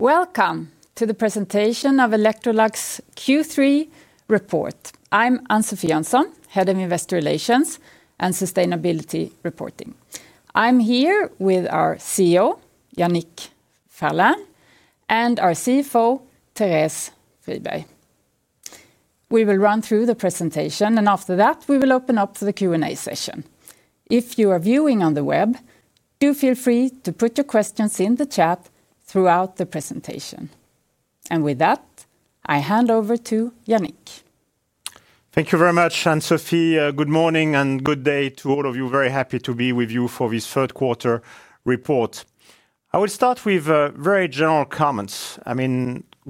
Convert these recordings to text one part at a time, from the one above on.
Welcome to the presentation of Electrolux Q3 report. I'm Ann-Sofi Jönsson, Head of Investor Relations and Sustainability Reporting. I'm here with our CEO, Yannick Fierling, and our CFO, Therese Friberg. We will run through the presentation, and after that, we will open up for the Q&A session. If you are viewing on the web, do feel free to put your questions in the chat throughout the presentation. With that, I hand over to Yannick. Thank you very much, Ann-Sofi. Good morning and good day to all of you. Very happy to be with you for this third quarter report. I will start with very general comments.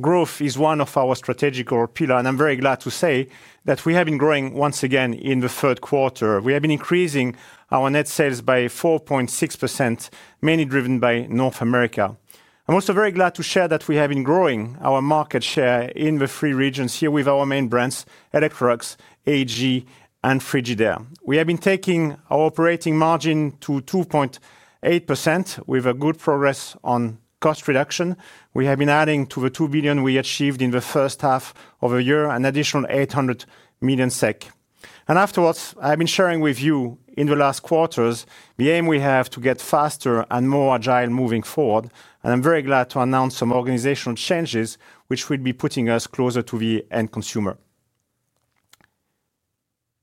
Growth is one of our strategic pillars, and I'm very glad to say that we have been growing once again in the third quarter. We have been increasing our net sales by 4.6%, mainly driven by North America. I'm also very glad to share that we have been growing our market share in the three regions here with our main brands: Electrolux, AEG, and Frigidaire. We have been taking our operating margin to 2.8% with good progress on cost reduction. We have been adding to the 2 billion we achieved in the first half of the year an additional 800 million SEK. I have been sharing with you in the last quarters the aim we have to get faster and more agile moving forward. I'm very glad to announce some organizational changes which will be putting us closer to the end consumer.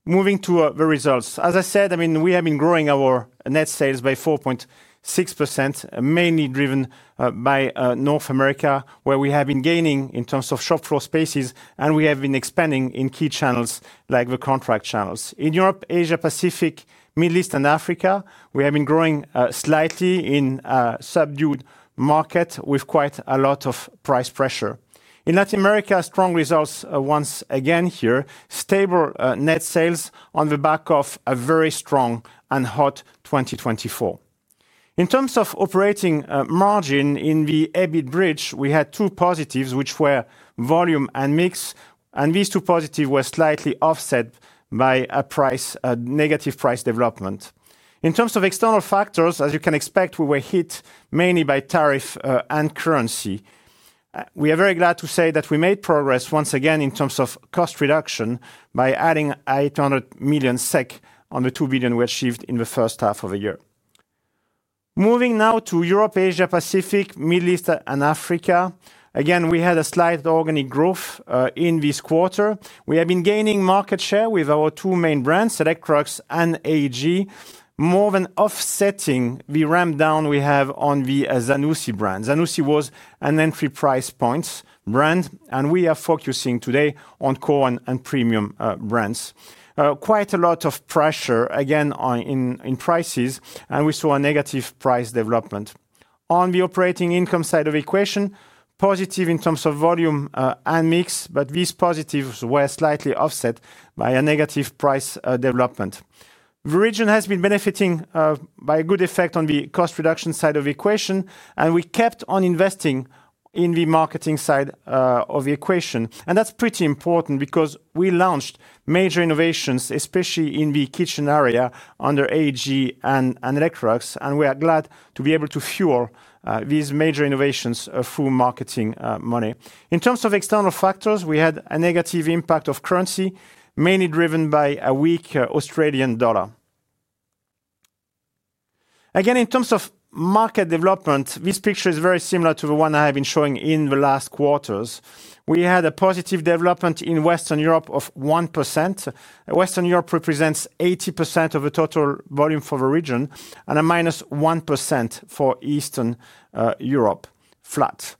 Moving to the results, as I said, we have been growing our net sales by 4.6%, mainly driven by North America, where we have been gaining in terms of shop floor spaces, and we have been expanding in key channels like the contract channels. In Europe, Asia-Pacific, the Middle East, and Africa, we have been growing slightly in a subdued market with quite a lot of price pressure. In Latin America, strong results once again here, stable net sales on the back of a very strong and hot 2024. In terms of operating margin in the EBIT bridge, we had two positives, which were volume and mix, and these two positives were slightly offset by a negative price development. In terms of external factors, as you can expect, we were hit mainly by tariffs and currency. We are very glad to say that we made progress once again in terms of cost reduction by adding 800 million SEK on the 2 billion we achieved in the first half of the year. Moving now to Europe, Asia-Pacific, the Middle East, and Africa, again, we had a slight organic growth in this quarter. We have been gaining market share with our two main brands, Electrolux and AEG, more than offsetting the ramp down we have on the Zanussi brand. Zanussi was an entry price point brand, and we are focusing today on core and premium brands. Quite a lot of pressure again in prices, and we saw a negative price development. On the operating income side of the equation, positive in terms of volume and mix, but these positives were slightly offset by a negative price development. The region has been benefiting by a good effect on the cost reduction side of the equation, and we kept on investing in the marketing side of the equation. That's pretty important because we launched major innovations, especially in the kitchen area under AEG and Electrolux, and we are glad to be able to fuel these major innovations through marketing money. In terms of external factors, we had a negative impact of currency, mainly driven by a weak Australian dollar. Again, in terms of market development, this picture is very similar to the one I have been showing in the last quarters. We had a positive development in Western Europe of 1%. Western Europe represents 80% of the total volume for the region and a -1% for Eastern Europe, flat.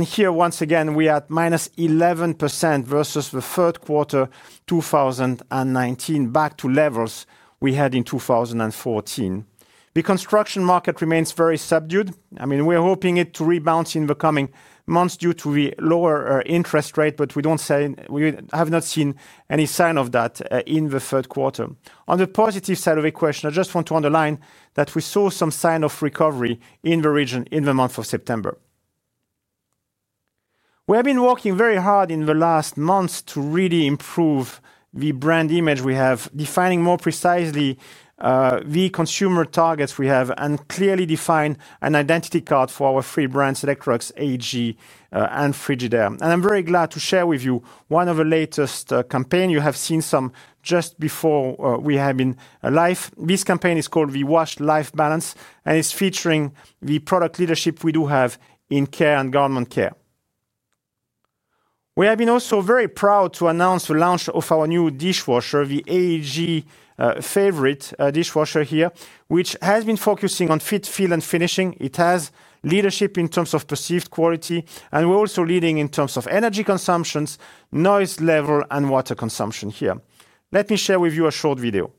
Here, once again, we are at -11% versus the third quarter 2019, back to levels we had in 2014. The construction market remains very subdued. I mean, we're hoping it to rebounce in the coming months due to the lower interest rate, but we don't say we have not seen any sign of that in the third quarter. On the positive side of the equation, I just want to underline that we saw some sign of recovery in the region in the month of September. We have been working very hard in the last months to really improve the brand image we have, defining more precisely the consumer targets we have, and clearly define an identity card for our three brands, Electrolux, AEG, and Frigidaire. I'm very glad to share with you one of the latest campaigns you have seen some just before we have been live. This campaign is called the Washed Life Balance, and it's featuring the product leadership we do have in care and government care. We have been also very proud to announce the launch of our new dishwasher, the AEG Favorite dishwasher here, which has been focusing on fit, feel, and finishing. It has leadership in terms of perceived quality, and we're also leading in terms of energy consumptions, noise level, and water consumption here. Let me share with you a short video.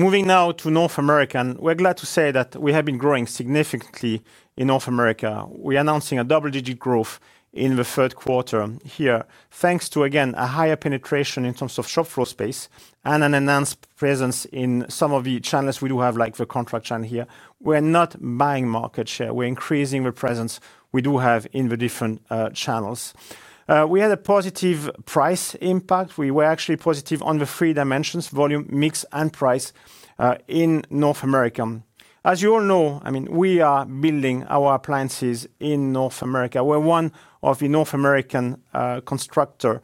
Moving now to North America, and we're glad to say that we have been growing significantly in North America. We are announcing a double-digit growth in the third quarter here, thanks to, again, a higher penetration in terms of shop floor space and an enhanced presence in some of the channels we do have, like the contract channel here. We're not buying market share, we're increasing the presence we do have in the different channels. We had a positive price impact. We were actually positive on the three dimensions: volume, mix, and price in North America. As you all know, I mean, we are building our appliances in North America. We're one of the North American constructors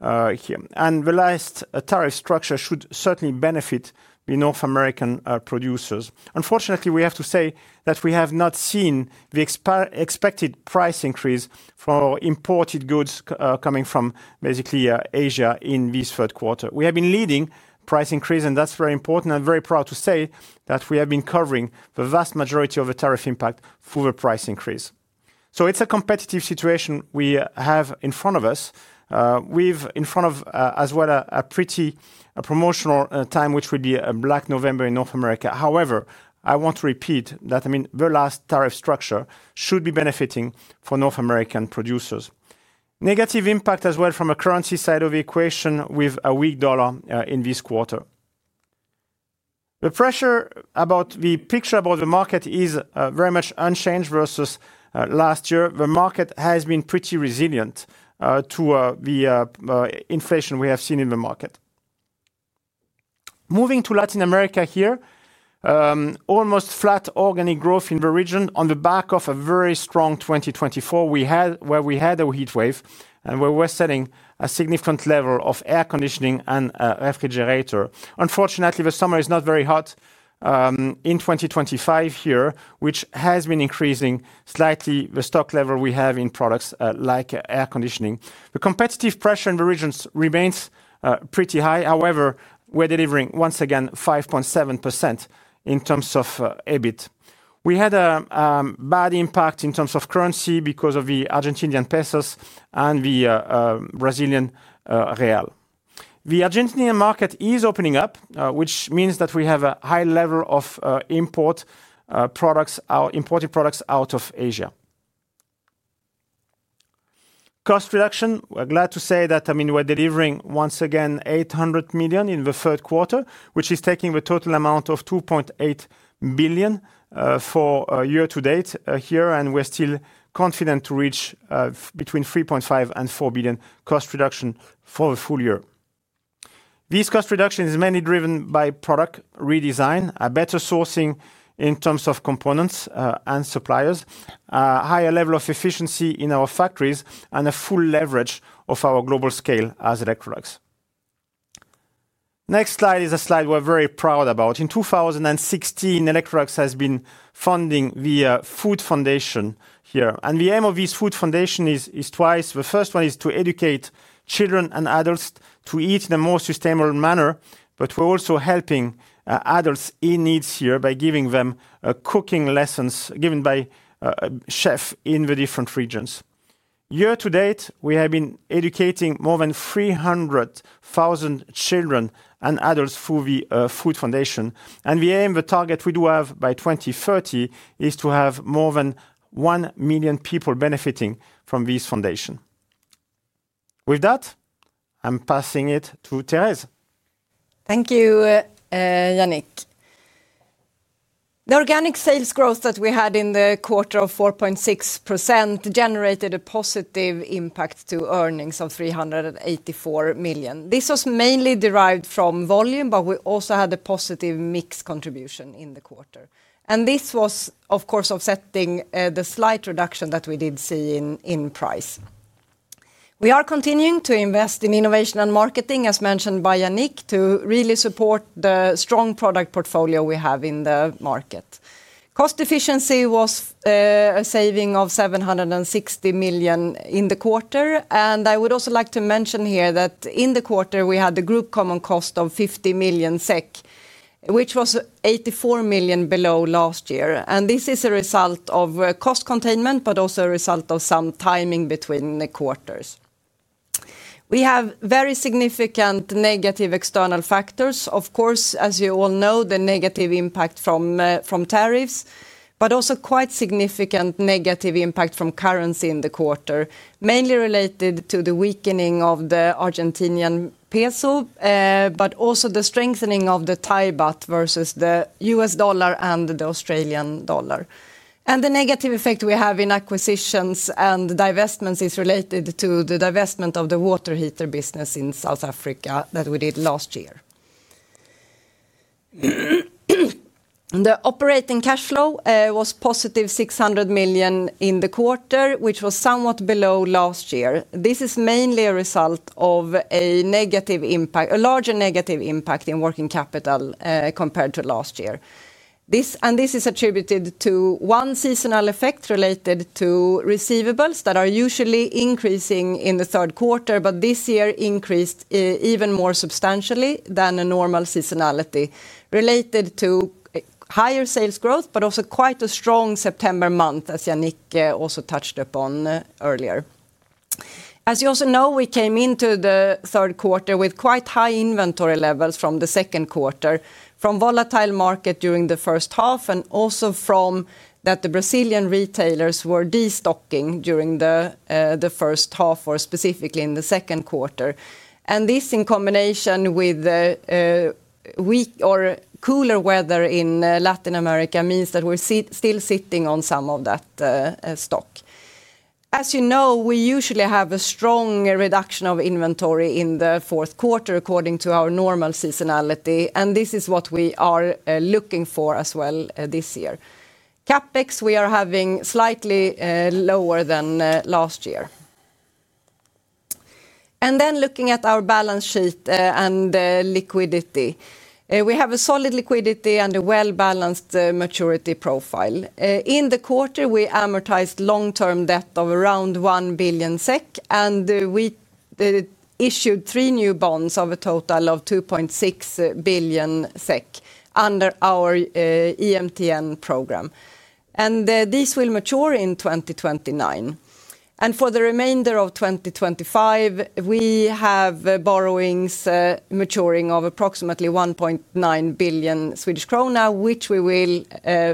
here. The last tariff structure should certainly benefit the North American producers. Unfortunately, we have to say that we have not seen the expected price increase for imported goods coming from basically Asia in this third quarter. We have been leading price increase, and that's very important. I'm very proud to say that we have been covering the vast majority of the tariff impact through the price increase. It's a competitive situation we have in front of us. We're in front of, as well, a pretty promotional time, which would be Black November in North America. However, I want to repeat that, I mean, the last tariff structure should be benefiting for North American producers. Negative impact as well from a currency side of the equation with a weak dollar in this quarter. The picture about the market is very much unchanged versus last year. The market has been pretty resilient to the inflation we have seen in the market. Moving to Latin America here, almost flat organic growth in the region on the back of a very strong 2024, where we had a heat wave and where we were selling a significant level of air conditioning and refrigerator. Unfortunately, the summer is not very hot in 2025 here, which has been increasing slightly the stock level we have in products like air conditioning. The competitive pressure in the regions remains pretty high. However, we're delivering once again 5.7% in terms of EBIT. We had a bad impact in terms of currency because of the Argentinian peso and the Brazilian real. The Argentinian market is opening up, which means that we have a high level of import products, our imported products out of Asia. Cost reduction, we're glad to say that, I mean, we're delivering once again 800 million in the third quarter, which is taking the total amount to 2.8 billion for year to date here, and we're still confident to reach between 3.5 and 4 billion cost reduction for the full year. This cost reduction is mainly driven by product redesign, better sourcing in terms of components and suppliers, a higher level of efficiency in our factories, and a full leverage of our global scale as Electrolux. Next slide is a slide we're very proud about. In 2016, Electrolux has been funding the Food Foundation here, and the aim of this Food Foundation is twice. The first one is to educate children and adults to eat in a more sustainable manner, but we're also helping adults in need here by giving them cooking lessons given by chefs in the different regions. Year to date, we have been educating more than 300,000 children and adults through the Food Foundation, and the aim of the target we do have by 2030 is to have more than 1 million people benefiting from this foundation. With that, I'm passing it to Therese. Thank you, Yannick. The organic sales growth that we had in the quarter of 4.6% generated a positive impact to earnings of 384 million. This was mainly derived from volume, but we also had a positive mix contribution in the quarter. This was, of course, offsetting the slight reduction that we did see in price. We are continuing to invest in innovation and marketing, as mentioned by Yannick, to really support the strong product portfolio we have in the market. Cost efficiency was a saving of 760 million in the quarter, and I would also like to mention here that in the quarter, we had the group common cost of 50 million SEK, which was 84 million below last year. This is a result of cost containment, but also a result of some timing between the quarters. We have very significant negative external factors, of course, as you all know, the negative impact from tariffs, but also quite significant negative impact from currency in the quarter, mainly related to the weakening of the Argentinian peso, but also the strengthening of the Thai baht versus the U.S. dollar and the Australian dollar. The negative effect we have in acquisitions and divestments is related to the divestment of the water heater business in South Africa that we did last year. The operating cash flow was positive 600 million in the quarter, which was somewhat below last year. This is mainly a result of a negative impact, a larger negative impact in working capital compared to last year. This is attributed to one seasonal effect related to receivables that are usually increasing in the third quarter, but this year increased even more substantially than a normal seasonality related to higher sales growth, but also quite a strong September month, as Yannick also touched upon earlier. As you also know, we came into the third quarter with quite high inventory levels from the second quarter from a volatile market during the first half and also from that the Brazilian retailers were destocking during the first half or specifically in the second quarter. This, in combination with weak or cooler weather in Latin America, means that we're still sitting on some of that stock. As you know, we usually have a strong reduction of inventory in the fourth quarter according to our normal seasonality, and this is what we are looking for as well this year. CapEx, we are having slightly lower than last year. Looking at our balance sheet and liquidity, we have a solid liquidity and a well-balanced maturity profile. In the quarter, we amortized long-term debt of around 1 billion SEK, and we issued three new bonds of a total of 2.6 billion SEK under our EMTN program. These will mature in 2029. For the remainder of 2025, we have borrowings maturing of approximately 1.9 billion Swedish krona, which we will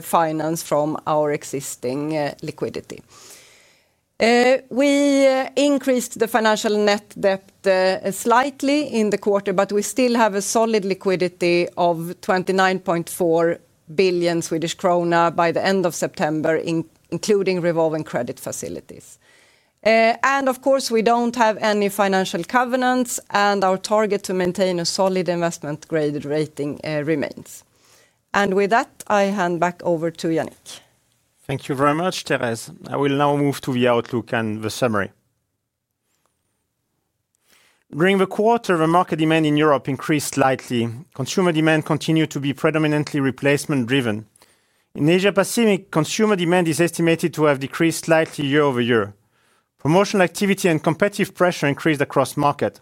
finance from our existing liquidity. We increased the financial net debt slightly in the quarter, but we still have a solid liquidity of 29.4 billion Swedish krona by the end of September, including revolving credit facilities. We don't have any financial covenants, and our target to maintain a solid investment-grade rating remains. With that, I hand back over to Yannick. Thank you very much, Therese. I will now move to the outlook and the summary. During the quarter, the market demand in Europe increased slightly. Consumer demand continued to be predominantly replacement-driven. In Asia-Pacific, consumer demand is estimated to have decreased slightly year-over-year. Promotional activity and competitive pressure increased across markets.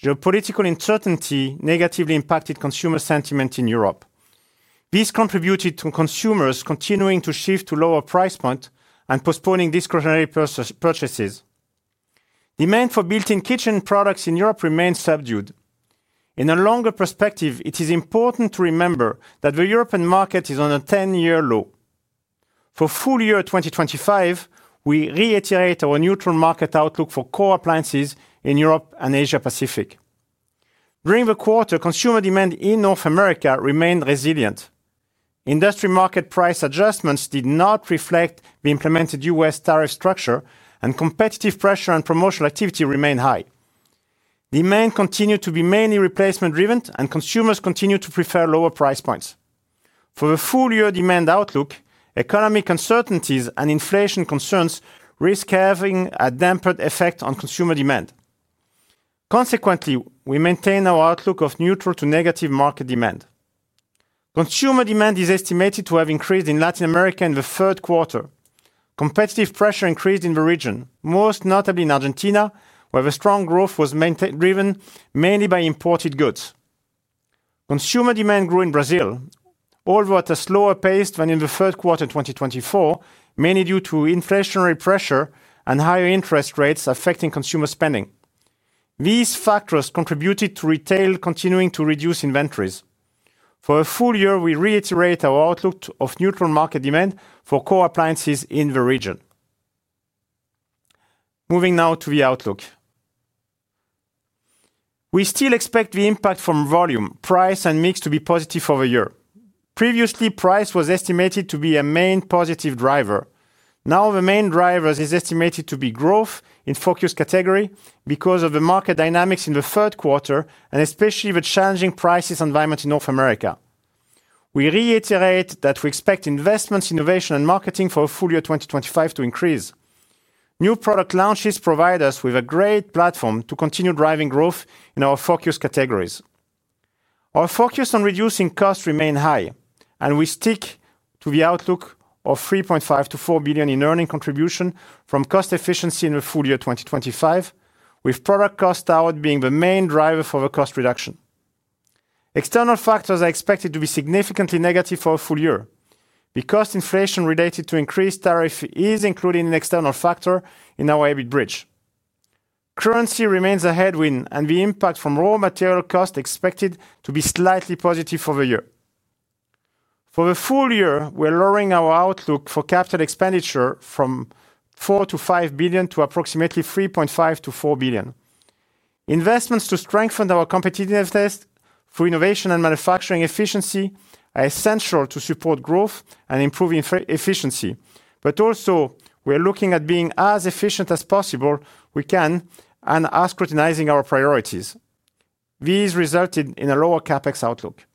Geopolitical uncertainty negatively impacted consumer sentiment in Europe. This contributed to consumers continuing to shift to lower price points and postponing discretionary purchases. Demand for built-in kitchen products in Europe remains subdued. In a longer perspective, it is important to remember that the European market is on a 10-year low. For the full year 2025, we reiterate our neutral market outlook for core appliances in Europe and Asia-Pacific. During the quarter, consumer demand in North America remained resilient. Industry market price adjustments did not reflect the implemented U.S. tariff structure, and competitive pressure and promotional activity remained high. Demand continued to be mainly replacement-driven, and consumers continued to prefer lower price points. For the full year demand outlook, economic uncertainties and inflation concerns risk having a damper effect on consumer demand. Consequently, we maintain our outlook of neutral to negative market demand. Consumer demand is estimated to have increased in Latin America in the third quarter. Competitive pressure increased in the region, most notably in Argentina, where the strong growth was driven mainly by imported goods. Consumer demand grew in Brazil, although at a slower pace than in the third quarter in 2024, mainly due to inflationary pressure and higher interest rates affecting consumer spending. These factors contributed to retail continuing to reduce inventories. For a full year, we reiterate our outlook of neutral market demand for core appliances in the region. Moving now to the outlook. We still expect the impact from volume, price, and mix to be positive for the year. Previously, price was estimated to be a main positive driver. Now the main driver is estimated to be growth in focus category because of the market dynamics in the third quarter and especially the challenging price environment in North America. We reiterate that we expect investments, innovation, and marketing for a full year 2025 to increase. New product launches provide us with a great platform to continue driving growth in our focus categories. Our focus on reducing costs remains high, and we stick to the outlook of 3.5 billion-4 billion in earning contribution from cost efficiency in the full year 2025, with product cost output being the main driver for the cost reduction. External factors are expected to be significantly negative for a full year. The cost inflation related to increased tariffs is included in an external factor in our EBIT bridge. Currency remains a headwind, and the impact from raw material costs is expected to be slightly positive for the year. For the full year, we're lowering our outlook for capital expenditure from 4billion- 5 billion to approximately 3.5 billion-4 billion. Investments to strengthen our competitiveness through innovation and manufacturing efficiency are essential to support growth and improve efficiency. We are also looking at being as efficient as possible and organizing our priorities. These resulted in a lower CapEx outlook.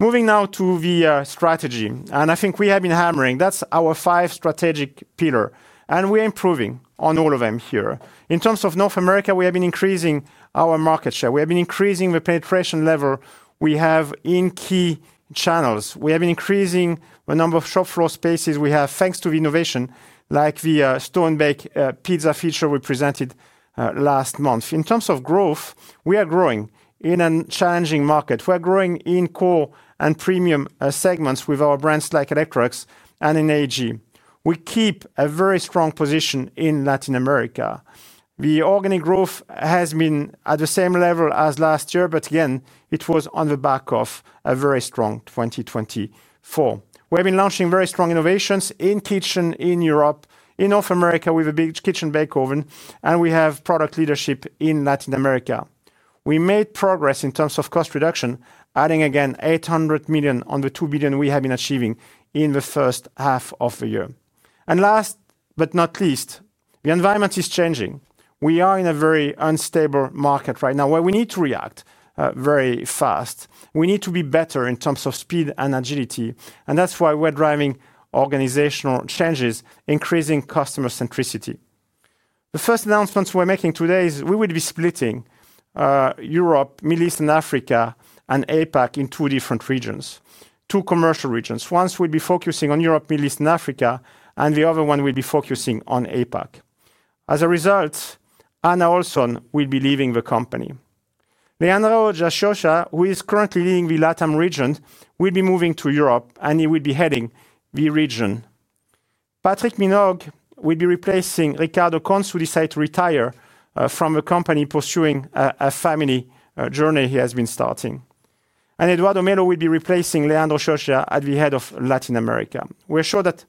Moving now to the strategy, and I think we have been hammering that, our five strategic pillars, and we are improving on all of them here. In terms of North America, we have been increasing our market share. We have been increasing the penetration level we have in key channels. We have been increasing the number of shop floor spaces we have thanks to the innovation like the StoneBake pizza feature we presented last month. In terms of growth, we are growing in a challenging market. We are growing in core and premium segments with our brands like Electrolux and in AEG. We keep a very strong position in Latin America. The organic growth has been at the same level as last year, but again, it was on the back of a very strong 2024. We have been launching very strong innovations in kitchen in Europe, in North America with a big kitchen bake oven, and we have product leadership in Latin America. We made progress in terms of cost reduction, adding again 800 million on the 2 billion we have been achieving in the first half of the year. Last but not least, the environment is changing. We are in a very unstable market right now where we need to react very fast. We need to be better in terms of speed and agility, and that's why we're driving organizational changes, increasing customer centricity. The first announcements we're making today is we will be splitting Europe, Middle East, and Africa and APAC into two different regions, two commercial regions. One will be focusing on Europe, Middle East, and Africa, and the other one will be focusing on APAC. As a result, Anna Ohlsson-Leijon will be leaving the company. Leandro Giasioschia, who is currently leading the Latin America region, will be moving to Europe, and he will be heading the region. Patrick Minaug will be replacing Ricardo Cons, who decided to retire from the company pursuing a family journey he has been starting. Eduardo Melo will be replacing Leandro Giasioschia at the head of Latin America. We're sure that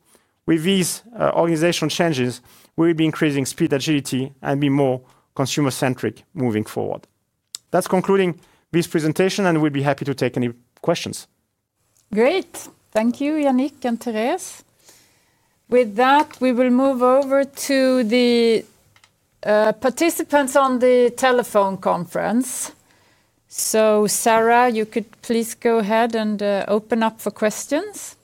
with these organizational changes, we'll be increasing speed, agility, and be more consumer-centric moving forward. That's concluding this presentation, and we'll be happy to take any questions. Great. Thank you, Yannick and Therese. With that, we will move over to the participants on the telephone conference. Sarah, you could please go ahead and open up for questions.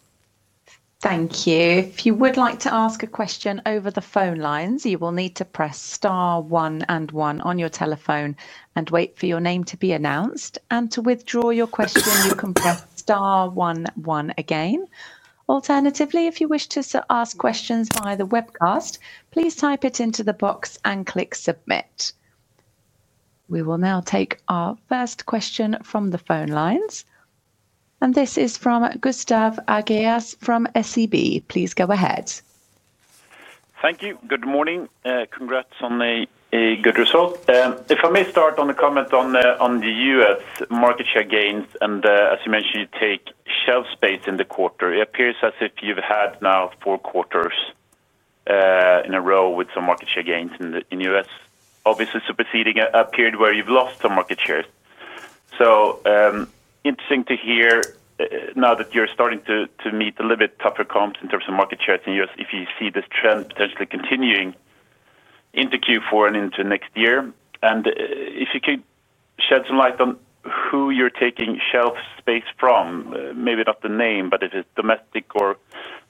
Thank you. If you would like to ask a question over the phone lines, you will need to press star one and one on your telephone and wait for your name to be announced. To withdraw your question, you can press star one one again. Alternatively, if you wish to ask questions via the webcast, please type it into the box and click submit. We will now take our first question from the phone lines. This is from Gustav Aguirre from SEB. Please go ahead. Thank you. Good morning. Congrats on a good result. If I may start on the comment on the U.S. market share gains, as you mentioned, you take shelf space in the quarter. It appears as if you've had now four quarters in a row with some market share gains in the U.S., obviously superseding a period where you've lost some market shares. Interesting to hear now that you're starting to meet a little bit tougher comps in terms of market shares in the U.S. if you see this trend potentially continuing into Q4 and into next year. If you could shed some light on who you're taking shelf space from, maybe not the name, but if it's domestic or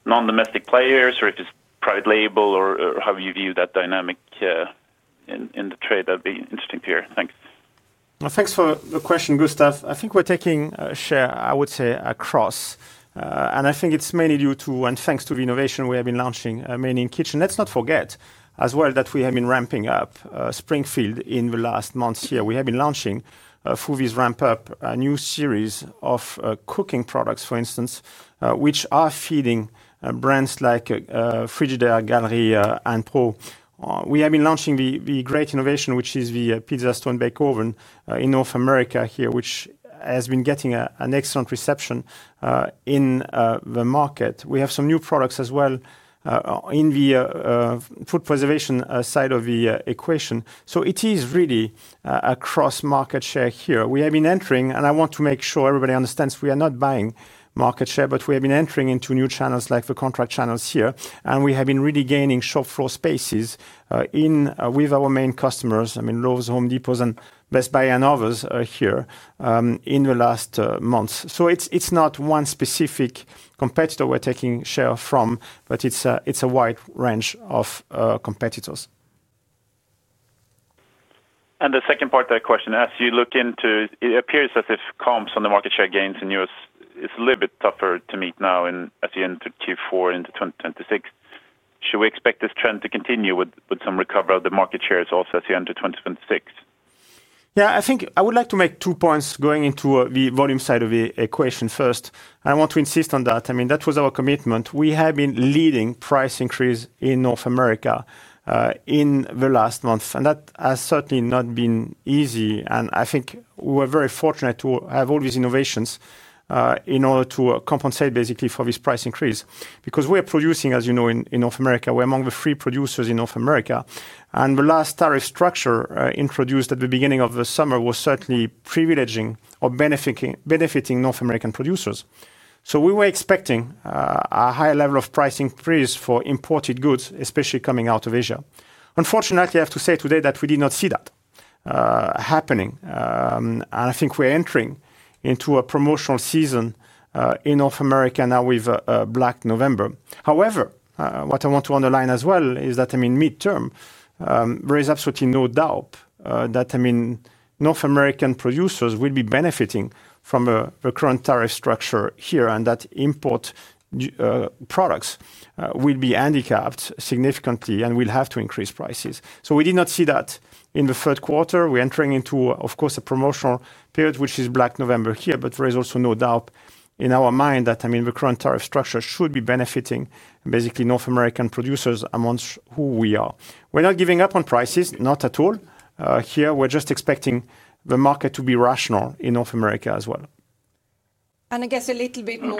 non-domestic players, or if it's private label, or how you view that dynamic in the trade, that'd be interesting to hear. Thanks. Thank you for the question, Gustav. I think we're taking a share, I would say, across. I think it's mainly due to, and thanks to the innovation we have been launching, mainly in kitchen. Let's not forget as well that we have been ramping up Springfield in the last months here. We have been launching through this ramp-up a new series of cooking products, for instance, which are feeding brands like Frigidaire, Galleria, and Pro. We have been launching the great innovation, which is the StoneBake pizza oven in North America here, which has been getting an excellent reception in the market. We have some new products as well in the food preservation side of the equation. It is really a cross-market share here. We have been entering, and I want to make sure everybody understands we are not buying market share, but we have been entering into new channels like the contract channels here. We have been really gaining shop floor spaces with our main customers, I mean, Lowe's, Home Depot, and Best Buy and others here in the last months. It's not one specific competitor we're taking share from, but it's a wide range of competitors. The second part of that question, as you look into it, appears as if comps on the market share gains in the U.S. is a little bit tougher to meet now and at the end of Q4 into 2026. Should we expect this trend to continue with some recovery of the market shares also at the end of 2026? Yeah, I think I would like to make two points going into the volume side of the equation first. I want to insist on that. I mean, that was our commitment. We have been leading price increase in North America in the last month, and that has certainly not been easy. I think we were very fortunate to have all these innovations in order to compensate basically for this price increase because we are producing, as you know, in North America. We're among the few producers in North America. The last tariff structure introduced at the beginning of the summer was certainly privileging or benefiting North American producers. We were expecting a high level of price increase for imported goods, especially coming out of Asia. Unfortunately, I have to say today that we did not see that happening. I think we're entering into a promotional season in North America now with Black November. However, what I want to underline as well is that, midterm, there is absolutely no doubt that North American producers will be benefiting from the current tariff structure here and that import products will be handicapped significantly and will have to increase prices. We did not see that in the third quarter. We're entering into, of course, a promotional period, which is Black November here, but there is also no doubt in our mind that the current tariff structure should be benefiting basically North American producers amongst who we are. We're not giving up on prices, not at all. Here, we're just expecting the market to be rational in North America as well. I guess a little bit more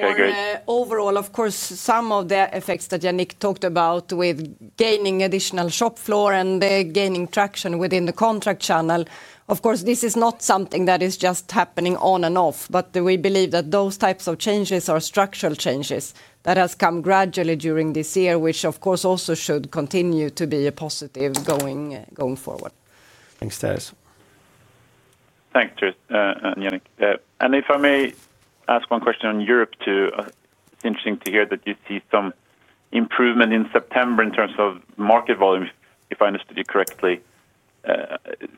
overall, of course, some of the effects that Yannick Fierling talked about with gaining additional shop floor and gaining traction within the contract channel. Of course, this is not something that is just happening on and off, but we believe that those types of changes are structural changes that have come gradually during this year, which of course also should continue to be a positive going forward. Thanks, Therese. Thanks, Yannick. If I may ask one question on Europe too, it's interesting to hear that you see some improvement in September in terms of market volume, if I understood you correctly.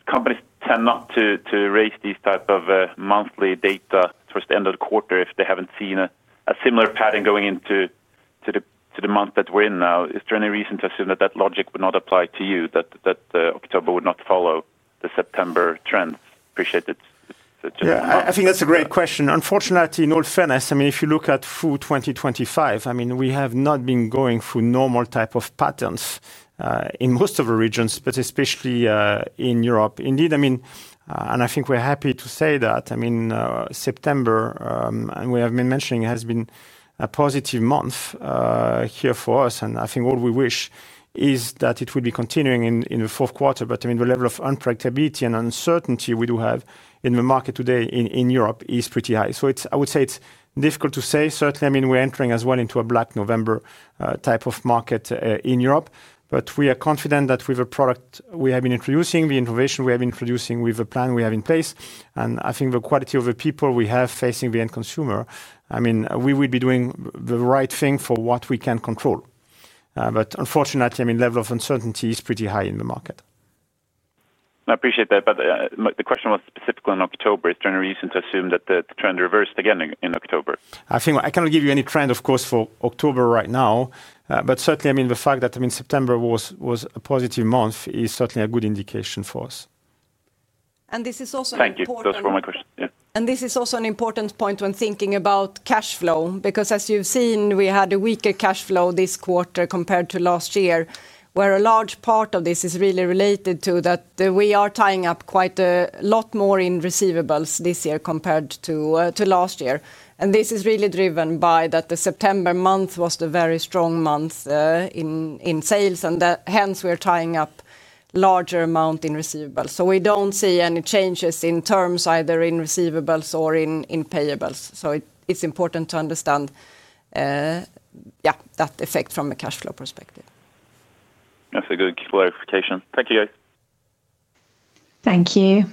Companies tend not to raise these types of monthly data towards the end of the quarter if they haven't seen a similar pattern going into the month that we're in now. Is there any reason to assume that that logic would not apply to you, that October would not follow the September trends? Appreciate it. I think that's a great question. Unfortunately, in all fairness, if you look at full 2025, we have not been going through normal types of patterns in most of the regions, especially in Europe. Indeed, I think we're happy to say that September, as we have been mentioning, has been a positive month here for us. I think all we wish is that it would be continuing in the fourth quarter. The level of unpredictability and uncertainty we do have in the market today in Europe is pretty high. I would say it's difficult to say. Certainly, we're entering as well into a Black November type of market in Europe. We are confident that with the product we have been introducing, the innovation we have been producing, with the plan we have in place, and the quality of the people we have facing the end consumer, we will be doing the right thing for what we can control. Unfortunately, the level of uncertainty is pretty high in the market. I appreciate that. The question was specifically in October. Is there any reason to assume that the trend reversed again in October? I think I cannot give you any trend, of course, for October right now. Certainly, the fact that September was a positive month is certainly a good indication for us. Thank you. This is also an important point when thinking about cash flow, because as you've seen, we had a weaker cash flow this quarter compared to last year, where a large part of this is really related to that we are tying up quite a lot more in receivables this year compared to last year. This is really driven by that the September month was the very strong month in sales, and hence we're tying up a larger amount in receivables. We don't see any changes in terms either in receivables or in payables. It's important to understand that effect from a cash flow perspective. That's a good clarification. Thank you, guys. Thank you.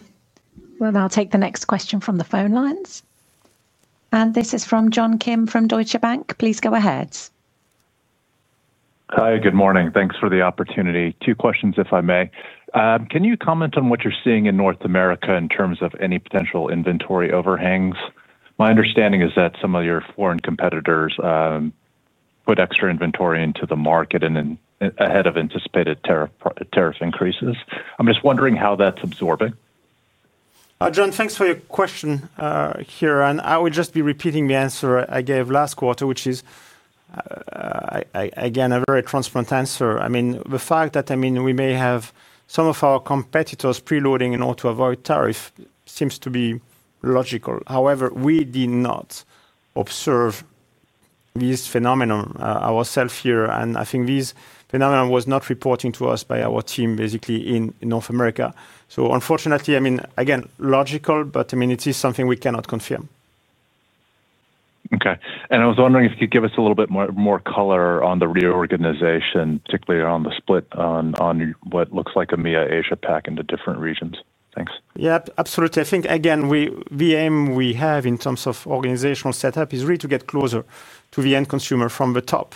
We'll now take the next question from the phone lines. This is from John Kim from Deutsche Bank. Please go ahead. Hi, good morning. Thanks for the opportunity. Two questions, if I may. Can you comment on what you're seeing in North America in terms of any potential inventory overhangs? My understanding is that some of your foreign competitors put extra inventory into the market ahead of anticipated tariff increases. I'm just wondering how that's absorbing. John, thanks for your question here. I would just be repeating the answer I gave last quarter, which is, again, a very transparent answer. The fact that we may have some of our competitors preloading in order to avoid tariffs seems to be logical. However, we did not observe this phenomenon ourselves here. I think this phenomenon was not reported to us by our team, basically, in North America. Unfortunately, it is something we cannot confirm. Okay. I was wondering if you could give us a little bit more color on the reorganization, particularly on the split on what looks like a EMEA Asia-Pacific into different regions. Thanks. Yeah, absolutely. I think, again, the aim we have in terms of organizational setup is really to get closer to the end consumer from the top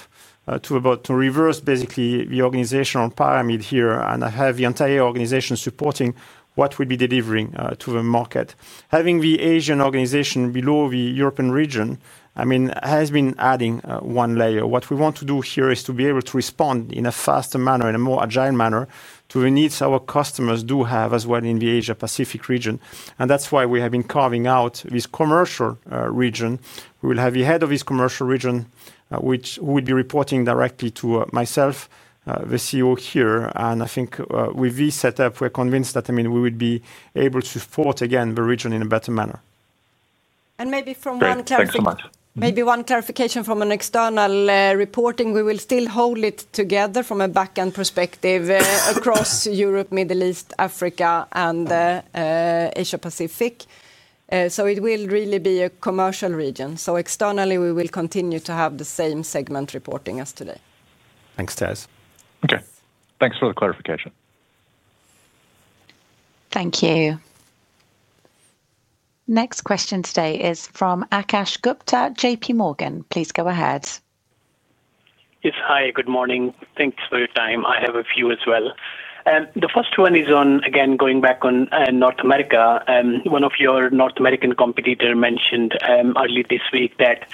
to reverse, basically, the organizational pyramid here. I have the entire organization supporting what we'll be delivering to the market. Having the Asian organization below the European region has been adding one layer. What we want to do here is to be able to respond in a faster manner, in a more agile manner to the needs our customers do have as well in the Asia-Pacific region. That's why we have been carving out this commercial region. We will have the head of this commercial region, which would be reporting directly to myself, the CEO here. I think with this setup, we're convinced that we would be able to support, again, the region in a better manner. Maybe one clarification from an external reporting perspective, we will still hold it together from a backend perspective across Europe, Middle East, Africa, and Asia-Pacific. It will really be a commercial region. Externally, we will continue to have the same segment reporting as today. Thanks, Therese. Okay, thanks for the clarification. Thank you. Next question today is from Akash Gupta at JP Morgan. Please go ahead. Yes, hi. Good morning. Thanks for your time. I have a few as well. The first one is on, again, going back on North America. One of your North American competitors mentioned earlier this week that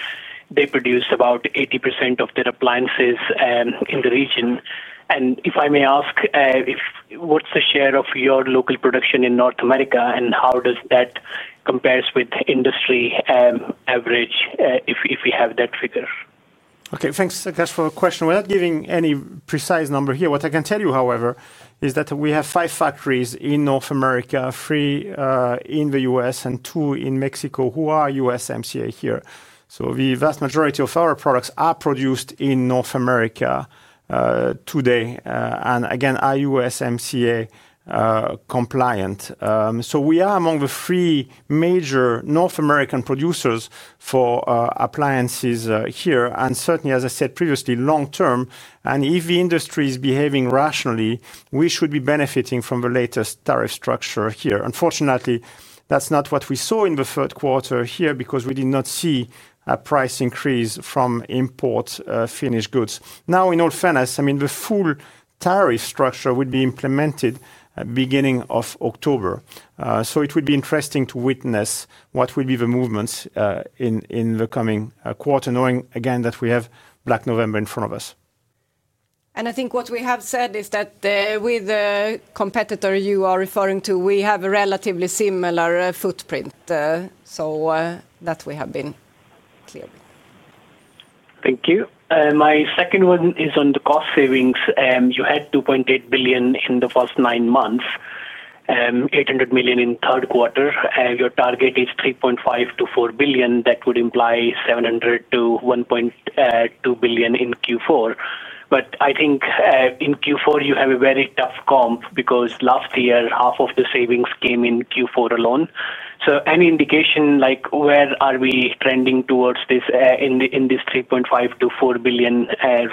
they produce about 80% of their appliances in the region. If I may ask, what's the share of your local production in North America and how does that compare with industry average, if we have that figure? Okay, thanks for a question. We're not giving any precise number here. What I can tell you, however, is that we have five factories in North America, three in the U.S., and two in Mexico who are USMCA here. The vast majority of our products are produced in North America today. Again, USMCA compliant. We are among the three major North American producers for appliances here. Certainly, as I said previously, long term, and if the industry is behaving rationally, we should be benefiting from the latest tariff structure here. Unfortunately, that's not what we saw in the third quarter here because we did not see a price increase from import finished goods. In all fairness, the full tariff structure would be implemented at the beginning of October. It would be interesting to witness what would be the movements in the coming quarter, knowing again that we have Black November in front of us. I think what we have said is that with the competitor you are referring to, we have a relatively similar footprint. That we have been clear. Thank you. My second one is on the cost savings. You had 2.8 billion in the first nine months, 800 million in the third quarter. Your target is 3.5 billion-4 billion. That would imply 700 million-1.2 billion in Q4. I think in Q4, you have a very tough comp because last year, half of the savings came in Q4 alone. Any indication where are we trending towards in this 3.5 billion-4 billion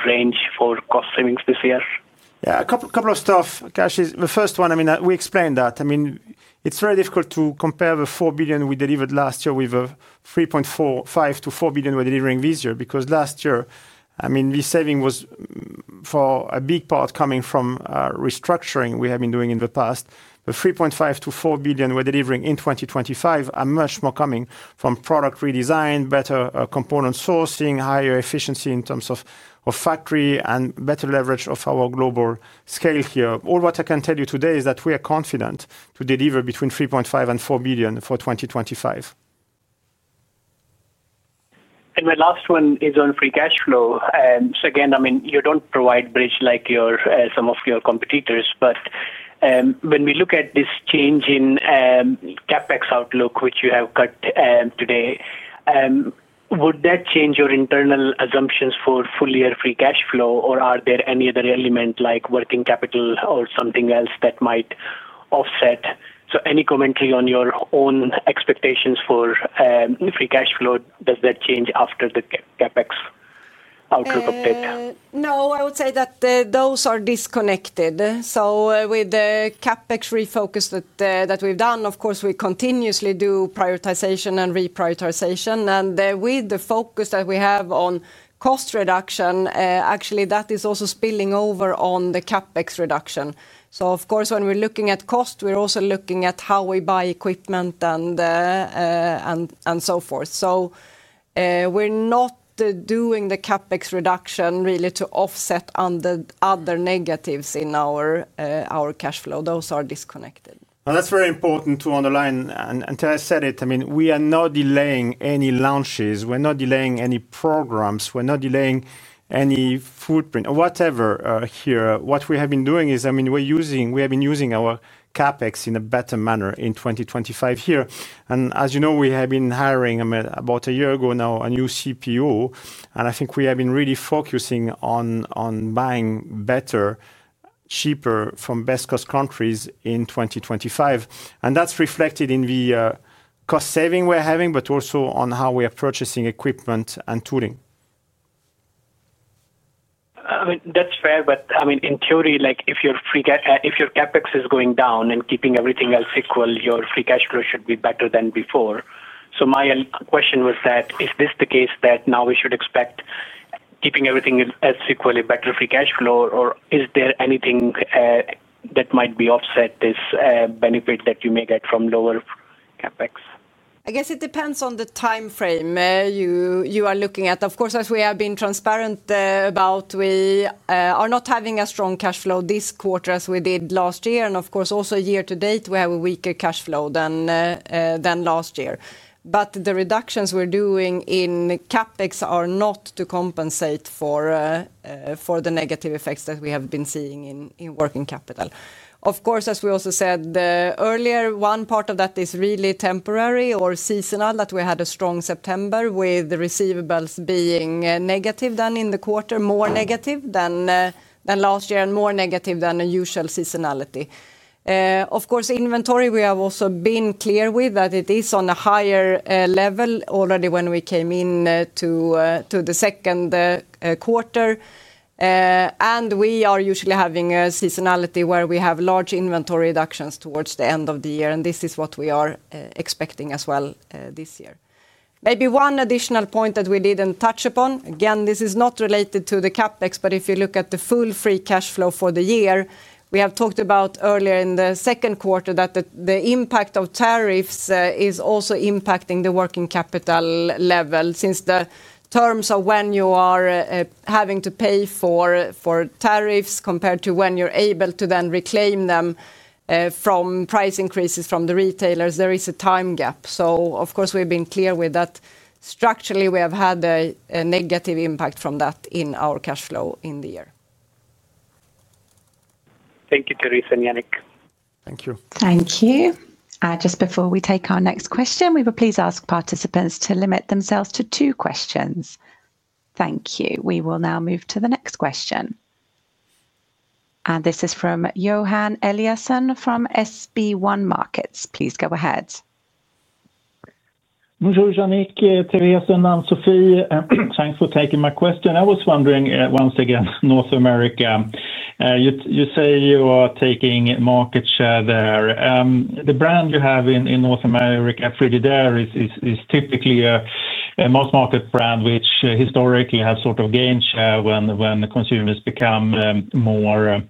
range for cost savings this year? Yeah, a couple of things. The first one, I mean, we explained that. It's very difficult to compare the 4 billion we delivered last year with the 3.5 billion-4 billion we're delivering this year because last year, the saving was for a big part coming from restructuring we have been doing in the past. The 3.5 billion-4 billion we're delivering in 2025 are much more coming from product redesign, better component sourcing, higher efficiency in terms of factory, and better leverage of our global scale here. All I can tell you today is that we are confident to deliver between 3.5 billion- 4 billion for 2025. The last one is on free cash flow. You don't provide a bridge like some of your competitors, but when we look at this change in CapEx outlook, which you have cut today, would that change your internal assumptions for full year free cash flow, or are there any other elements like working capital or something else that might offset? Any commentary on your own expectations for free cash flow? Does that change after the CapEx outlook update? No, I would say that those are disconnected. With the CapEx refocus that we've done, of course, we continuously do prioritization and reprioritization. With the focus that we have on cost reduction, actually, that is also spilling over on the CapEx reduction. Of course, when we're looking at cost, we're also looking at how we buy equipment and so forth. We're not doing the CapEx reduction really to offset other negatives in our cash flow. Those are disconnected. That is very important to underline. Until I said it, I mean, we are not delaying any launches, we're not delaying any programs, we're not delaying any footprint or whatever here. What we have been doing is, I mean, we have been using our CapEx in a better manner in 2025. As you know, we have been hiring about a year ago now a new CPO. I think we have been really focusing on buying better, cheaper from best cost countries in 2025. That is reflected in the cost saving we're having, but also on how we are purchasing equipment and tooling. I mean, that's fair, but I mean, in theory, if your CapEx is going down and keeping everything else equal, your free cash flow should be better than before. My question was that, is this the case that now we should expect, keeping everything else equal, a better free cash flow, or is there anything that might offset this benefit that you may get from lower CapEx? I guess it depends on the timeframe you are looking at. Of course, as we have been transparent about, we are not having a strong cash flow this quarter as we did last year. Of course, also year to date, we have a weaker cash flow than last year. The reductions we're doing in CapEx are not to compensate for the negative effects that we have been seeing in working capital. As we also said earlier, one part of that is really temporary or seasonal. We had a strong September with receivables being negative in the quarter, more negative than last year, and more negative than the usual seasonality. Inventory, we have also been clear with that it is on a higher level already when we came into the second quarter. We are usually having a seasonality where we have large inventory reductions towards the end of the year. This is what we are expecting as well this year. Maybe one additional point that we didn't touch upon, this is not related to the CapEx, but if you look at the full free cash flow for the year, we have talked about earlier in the second quarter that the impact of tariffs is also impacting the working capital level since the terms of when you are having to pay for tariffs compared to when you're able to then reclaim them from price increases from the retailers, there is a time gap. We have been clear with that. Structurally, we have had a negative impact from that in our cash flow in the year. Thank you, Therese and Yannick. Thank you. Thank you. Just before we take our next question, we will please ask participants to limit themselves to two questions. Thank you. We will now move to the next question. This is from Johan Eliason from SEB. Please go ahead. Bonjour, Yannick, Therese, and Ann-Sofi. Thanks for taking my question. I was wondering once again, North America, you say you are taking market share there. The brand you have in North America, Frigidaire, is typically a mass market brand which historically has sort of gained share when consumers become more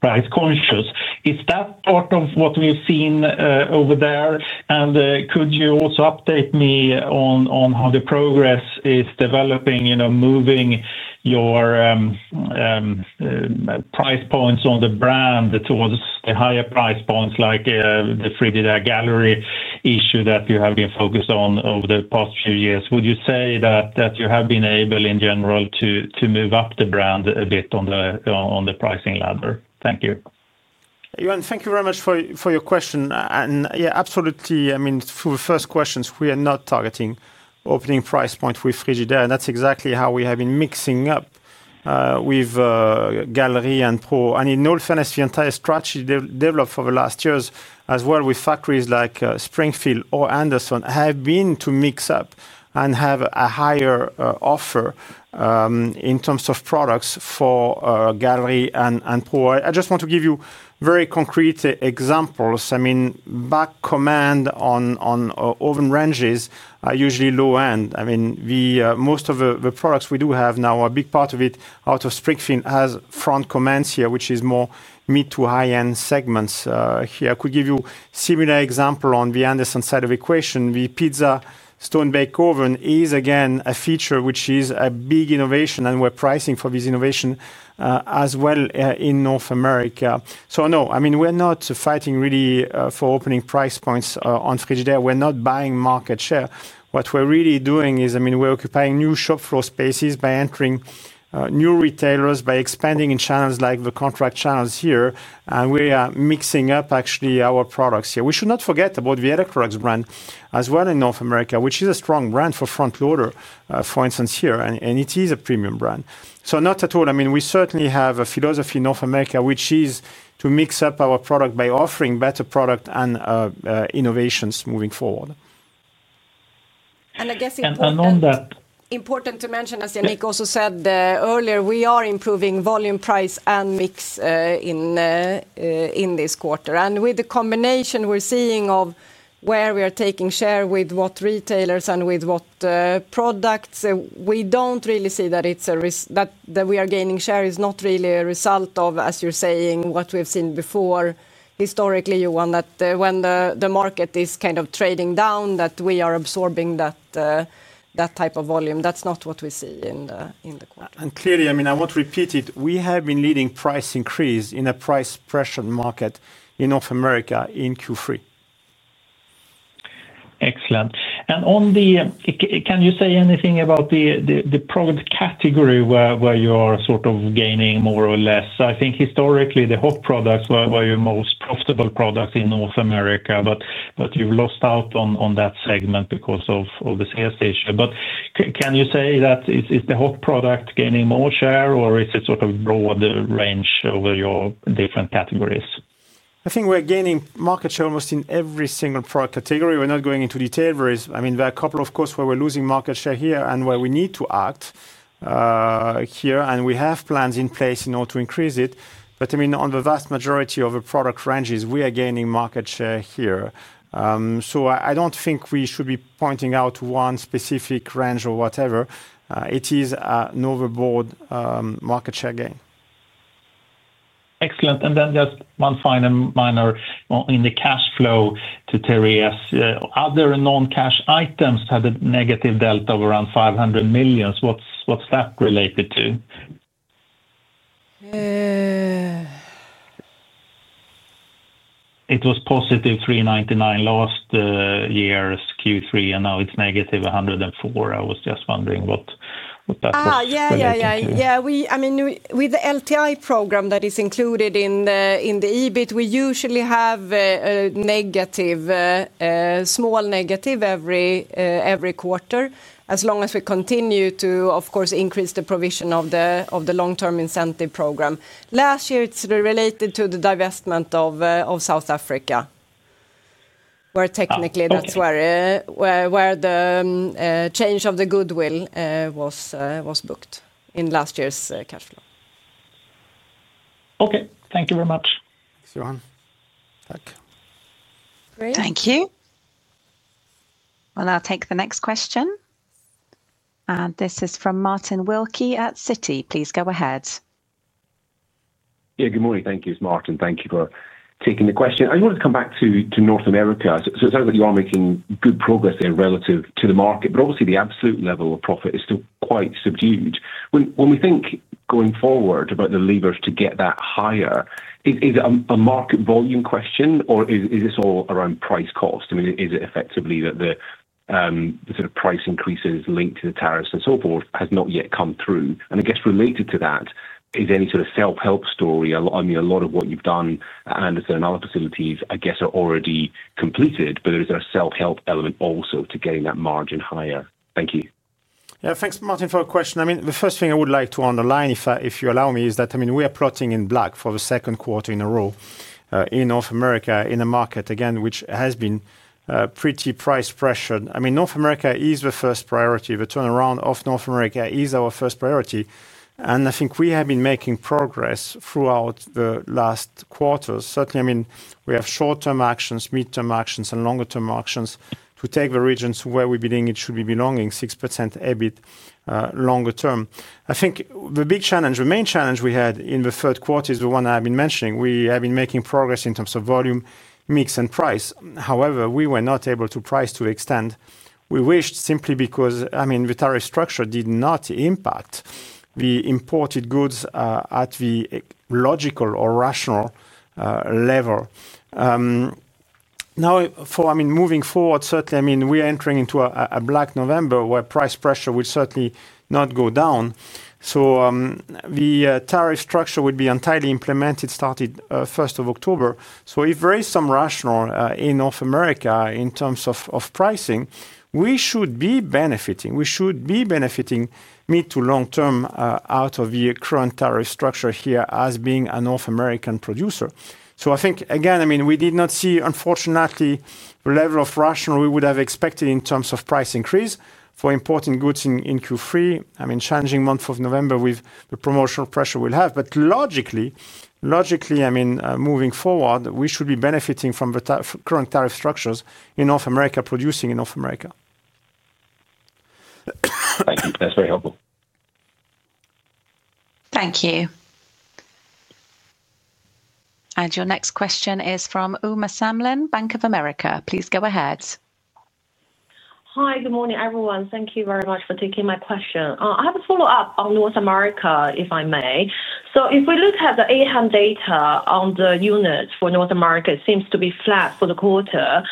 price conscious. Is that part of what we've seen over there? Could you also update me on how the progress is developing, you know, moving your price points on the brand towards the higher price points like the Frigidaire Gallery issue that you have been focused on over the past few years? Would you say that you have been able in general to move up the brand a bit on the pricing ladder? Thank you. Thank you very much for your question. Yeah, absolutely. For the first questions, we are not targeting opening price points with Frigidaire. That's exactly how we have been mixing up with Galleria and Pro. In all fairness, the entire strategy developed over the last years as well with factories like Springfield or Anderson has been to mix up and have a higher offer in terms of products for Galleria and Pro. I just want to give you very concrete examples. Back command on oven ranges are usually low end. Most of the products we do have now, a big part of it out of Springfield, has front commands here, which is more mid to high end segments here. I could give you a similar example on the Anderson side of the equation. The StoneBake pizza oven is again a feature which is a big innovation and we're pricing for this innovation as well in North America. No, we're not fighting really for opening price points on Frigidaire. We're not buying market share. What we're really doing is we're occupying new shop floor spaces by entering new retailers, by expanding in channels like the contract channels here. We are mixing up actually our products here. We should not forget about the Electrolux brand as well in North America, which is a strong brand for front loader, for instance, here. It is a premium brand. Not at all. We certainly have a philosophy in North America, which is to mix up our product by offering better product and innovations moving forward. It's important to mention, as Yannick Fierling also said earlier, we are improving volume, price, and mix in this quarter. With the combination we're seeing of where we are taking share with what retailers and with what products, we don't really see that it's a risk that we are gaining share is not really a result of, as you're saying, what we've seen before historically, on that when the market is kind of trading down, that we are absorbing that type of volume. That's not what we see in the quarter. I mean, I would repeat it. We have been leading price increase in a price pressure market in North America in Q3. Excellent. Can you say anything about the product category where you are sort of gaining more or less? I think historically the high-end products were your most profitable products in North America, but you've lost out on that segment because of the sales issue. Can you say is the high-end product gaining more share, or is it sort of a broad range over your different categories? I think we're gaining market share almost in every single product category. We're not going into detail. I mean, there are a couple, of course, where we're losing market share here and where we need to act here. We have plans in place in order to increase it. I mean, on the vast majority of the product ranges, we are gaining market share here. I don't think we should be pointing out one specific range or whatever. It is an overall market share gain. Excellent. Just one final minor in the cash flow to Therese. Other non-cash items had a negative delta of around 500 million. What's that related to? It was positive 399 million last year's Q3 and now it's negative 104 million. I was just wondering what that was related to. With the LTI program that is included in the EBIT, we usually have a small negative every quarter as long as we continue to, of course, increase the provision of the long-term incentive program. Last year, it's related to the divestment of South Africa, where technically that's where the change of the goodwill was booked in last year's cash flow. Okay, thank you very much. Thanks, Johan. Thank you. I'll now take the next question. This is from Martin Wilkie at Citi. Please go ahead. Good morning. Thank you, Martin. Thank you for taking the question. I just wanted to come back to North America. It sounds like you are making good progress there relative to the market, but obviously the absolute level of profit is still quite subdued. When we think going forward about the levers to get that higher, is it a market volume question or is this all around price cost? I mean, is it effectively that the sort of price increases linked to the tariffs and so forth have not yet come through? I guess related to that is any sort of self-help story. A lot of what you've done at Anderson and other facilities, I guess, are already completed, but there is a self-help element also to getting that margin higher. Thank you. Yeah, thanks, Martin, for your question. The first thing I would like to underline, if you allow me, is that we are plotting in black for the second quarter in a row in North America in a market again, which has been pretty price pressured. North America is the first priority. The turnaround of North America is our first priority. I think we have been making progress throughout the last quarters. Certainly, we have short-term actions, mid-term actions, and longer-term actions to take the regions where we believe it should be belonging, 6% EBIT longer term. I think the big challenge, the main challenge we had in the third quarter is the one I've been mentioning. We have been making progress in terms of volume, mix, and price. However, we were not able to price to the extent we wished simply because the tariff structure did not impact the imported goods at the logical or rational level. Moving forward, certainly, we are entering into a black November where price pressure will certainly not go down. The tariff structure would be entirely implemented starting October 1. If there is some rationale in North America in terms of pricing, we should be benefiting. We should be benefiting mid to long term out of the current tariff structure here as being a North American producer. Again, we did not see, unfortunately, the level of rationale we would have expected in terms of price increase for importing goods in Q3. Challenging month of November with the promotional pressure we'll have. Logically, moving forward, we should be benefiting from the current tariff structures in North America, producing in North America. Thank you. That's very helpful. Thank you. Your next question is from Uma Samlin, Bank of America. Please go ahead. Hi, good morning everyone. Thank you very much for taking my question. I have a follow-up on North America, if I may. If we look at the AHM data on the units for North America, it seems to be flat for the quarter.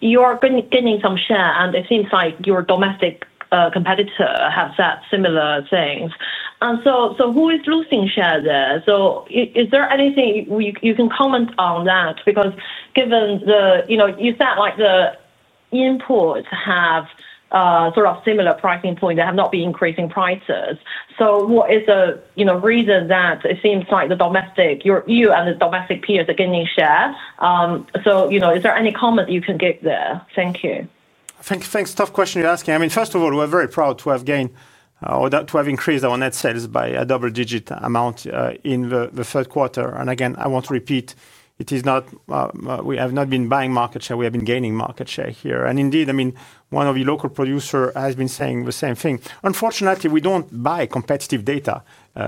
You are getting some share, and it seems like your domestic competitor has had similar things. Who is losing share there? Is there anything you can comment on that? Given the, you know, you said the imports have sort of similar pricing points. They have not been increasing prices. What is the reason that it seems like the domestic, you and the domestic peers are gaining share? Is there any comment you can give there? Thank you. Thanks. Tough question you're asking. First of all, we're very proud to have gained or to have increased our net sales by a double-digit amount in the third quarter. I want to repeat, we have not been buying market share. We have been gaining market share here. Indeed, one of your local producers has been saying the same thing. Unfortunately, we don't buy competitive data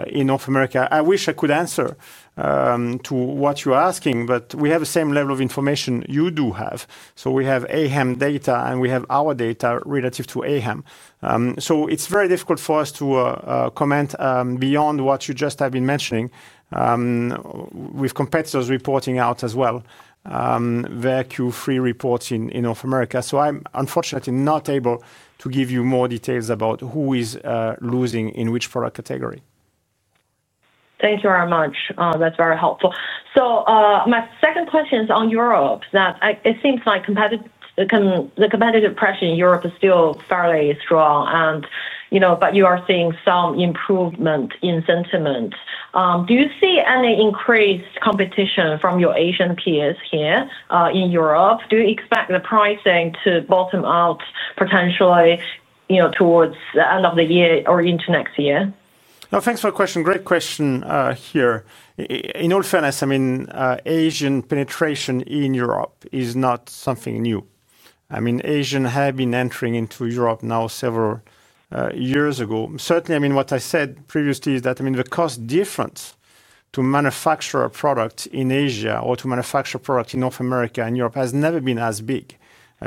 in North America. I wish I could answer to what you're asking, but we have the same level of information you do have. We have AHM data, and we have our data relative to AHM. It's very difficult for us to comment beyond what you just have been mentioning. We have competitors reporting out as well. They are Q3 reports in North America. I'm unfortunately not able to give you more details about who is losing in which product category. Thank you very much. That's very helpful. My second question is on Europe. It seems like the competitive pressure in Europe is still fairly strong, but you are seeing some improvement in sentiment. Do you see any increased competition from your Asian peers here in Europe? Do you expect the pricing to bottom out potentially towards the end of the year or into next year? No, thanks for the question. Great question here. In all fairness, Asian penetration in Europe is not something new. Asians have been entering into Europe now several years ago. Certainly, what I said previously is that the cost difference to manufacture a product in Asia or to manufacture a product in North America and Europe has never been as big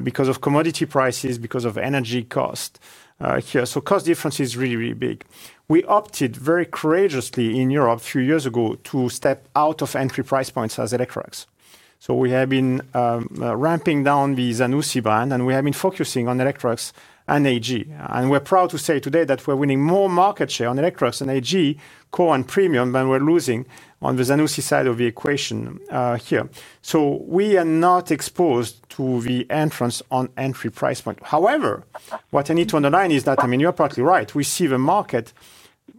because of commodity prices, because of energy cost here. The cost difference is really, really big. We opted very courageously in Europe a few years ago to step out of entry price points as Electrolux. We have been ramping down the Zanussi brand, and we have been focusing on Electrolux and AEG. We're proud to say today that we're winning more market share on Electrolux and AEG, core and premium, than we're losing on the Zanussi side of the equation here. We are not exposed to the entrance on entry price point. However, what I need to underline is that you're partly right. We see the market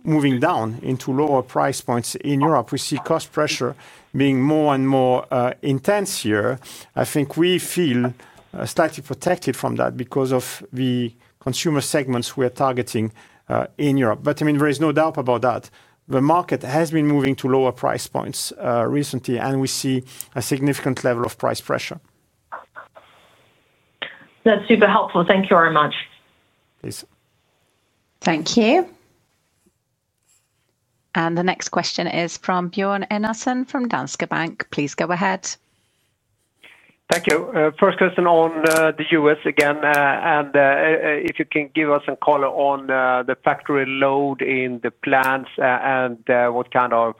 moving down into lower price points in Europe. We see cost pressure being more and more intense here. I think we feel slightly protected from that because of the consumer segments we are targeting in Europe. There is no doubt about that. The market has been moving to lower price points recently, and we see a significant level of price pressure. That's super helpful. Thank you very much. Thank you. The next question is from Bjorn Enarson from Danske Bank. Please go ahead. Thank you. First question on the U.S. again. If you can give us some color on the factory load in the plants and what kind of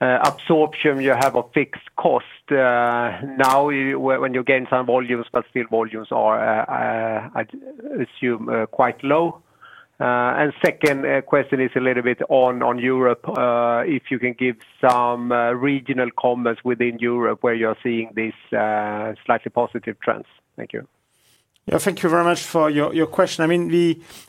absorption you have of fixed cost now when you're getting some volumes, but still volumes are, I assume, quite low. Second question is a little bit on Europe. If you can give some regional comments within Europe where you're seeing these slightly positive trends. Thank you. Thank you very much for your question.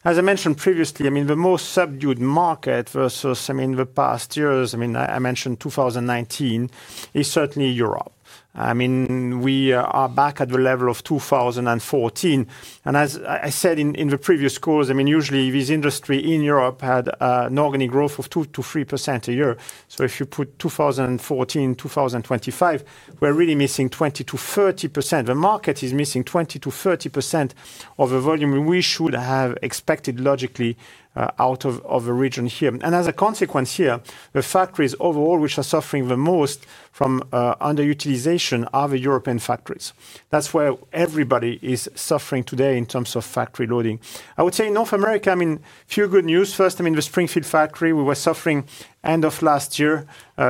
As I mentioned previously, the most subdued market versus the past years, I mentioned 2019, is certainly Europe. We are back at the level of 2014. As I said in previous calls, usually this industry in Europe had an organic growth of 2%-3% a year. If you put 2014-2025, we're really missing 20%-30%. The market is missing 20%-30% of the volume we should have expected logically out of the region here. As a consequence, the factories overall which are suffering the most from underutilization are the European factories. That's where everybody is suffering today in terms of factory loading. I would say in North America, a few good news. First, the Springfield factory, we were suffering end of last year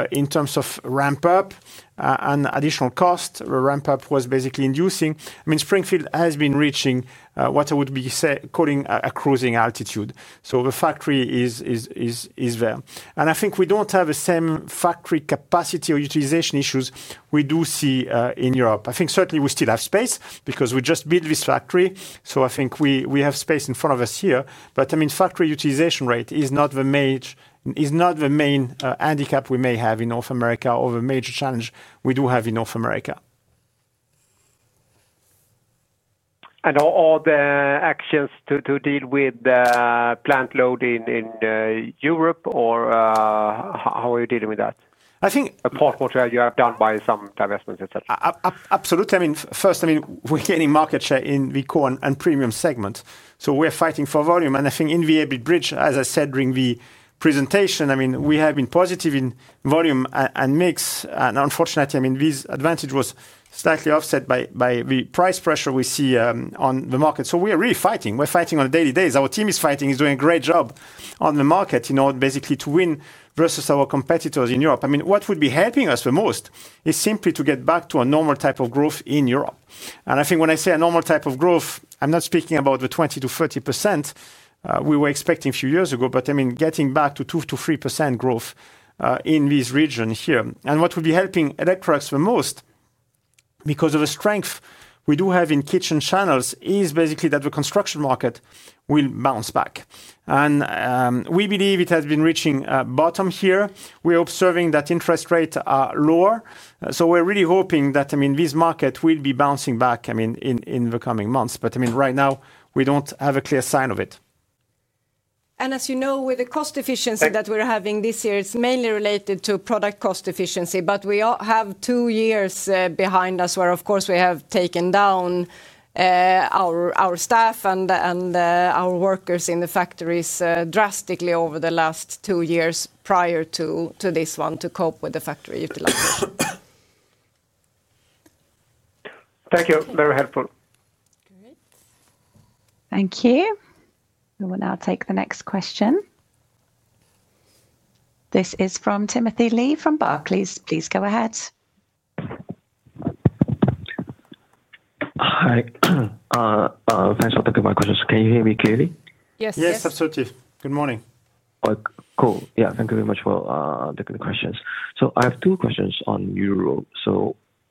in terms of ramp-up and additional cost. The ramp-up was basically inducing. Springfield has been reaching what I would be calling a cruising altitude. The factory is there. I think we don't have the same factory capacity or utilization issues we do see in Europe. I think certainly we still have space because we just built this factory. I think we have space in front of us here. Factory utilization rate is not the main handicap we may have in North America or the major challenge we do have in North America. Are all the actions to deal with the plant load in Europe, or how are you dealing with that? I think. Apart from what you have done by some divestments, etc. Absolutely. First, we're gaining market share in the core and premium segment. We're fighting for volume. In the EBIT bridge, as I said during the presentation, we have been positive in volume and mix. Unfortunately, this advantage was slightly offset by the price pressure we see on the market. We are really fighting. We're fighting on a daily basis. Our team is fighting. It's doing a great job on the market in order basically to win versus our competitors in Europe. What would be helping us the most is simply to get back to a normal type of growth in Europe. When I say a normal type of growth, I'm not speaking about the 20%-30% we were expecting a few years ago, but getting back to 2%-3% growth in this region here. What would be helping Electrolux the most because of the strength we do have in kitchen channels is basically that the construction market will bounce back. We believe it has been reaching a bottom here. We're observing that interest rates are lower. We're really hoping that this market will be bouncing back in the coming months. Right now we don't have a clear sign of it. As you know, with the cost efficiency that we're having this year, it's mainly related to product cost efficiency. We have two years behind us where, of course, we have taken down our staff and our workers in the factories drastically over the last two years prior to this one to cope with the factory utilization. Thank you. Very helpful. Thank you. We will now take the next question. This is from Timothy Lee from Barclays. Please go ahead. Hi, thanks for taking my questions. Can you hear me clearly? Yes. Yes, absolutely. Good morning. Thank you very much for taking the questions. I have two questions on Europe.